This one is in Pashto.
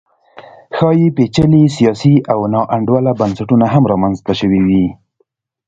ښايي پېچلي سیاسي او ناانډوله بنسټونه هم رامنځته شوي وي